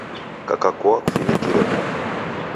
Kaka koa kufinikire momu.